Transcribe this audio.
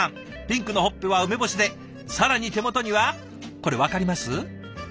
ピンクのほっぺは梅干しで更に手元にはこれ分かります？